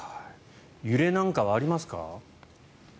揺れなんかはありますか？